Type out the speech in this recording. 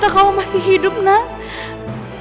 tentu saja kamu masih k heights compassion